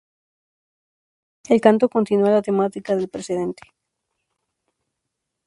El canto continúa la temática del precedente.